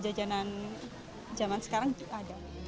jajanan zaman sekarang ada